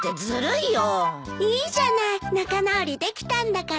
いいじゃない仲直りできたんだから。